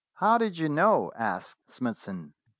"How did you know?" asked Smithson.